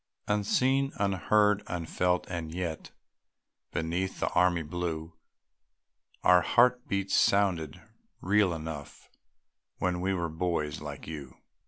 Unseen, unheard, unfelt and yet, Beneath the army blue Our heart beats sounded real enough When we were boys like you.